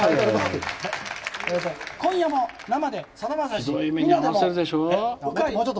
「今夜も生でさだまさし」えっ？